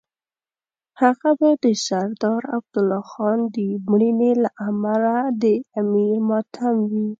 هغه به د سردار عبدالله جان د مړینې له امله د امیر ماتم وي.